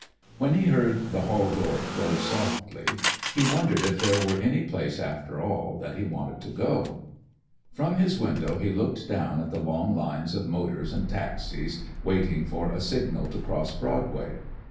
When he heard the hall door close softly, he wondered if there were any place, after all, that he wanted to go. From his window he looked down at the long lines of motors and taxis waiting for a signal to cross Broadway.